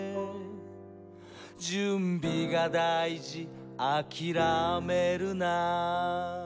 「準備がだいじあきらめるな」